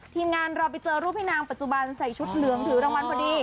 ทีมงานเราไปเจอรูปพี่นางปัจจุบันใส่ชุดเหลืองถือรางวัลพอดี